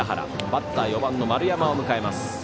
バッター、丸山を迎えます。